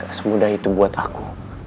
semudah itu buat aku